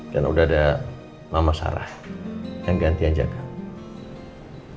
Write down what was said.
dan udah ada mama sarah yang ganti aja kak